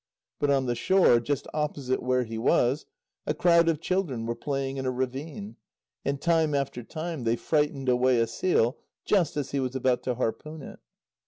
But on the shore, just opposite where he was, a crowd of children were playing in a ravine, and time after time they frightened away a seal just as he was about to harpoon it.